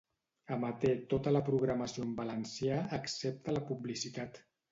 Emeté tota la programació en valencià, excepte la publicitat.